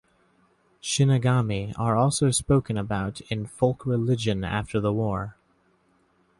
Shinigami are also spoken about in folk religion after the war.